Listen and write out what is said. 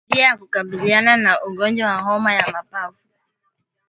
Njia ya kukabiliana na ugonjwa wa homa ya mapafu